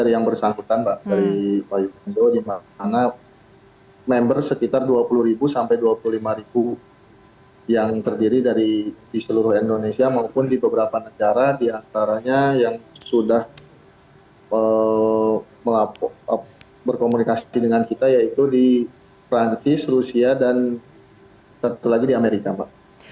yang bersangkutan pak dari pak yudhendo di mana member sekitar dua puluh ribu sampai dua puluh lima ribu yang terdiri di seluruh indonesia maupun di beberapa negara di antaranya yang sudah berkomunikasi dengan kita yaitu di perancis rusia dan satu lagi di amerika pak